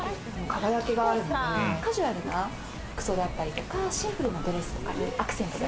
輝きがあるので、カジュアルな服装だったりとか、シンプルなドレスとかにアクセントで。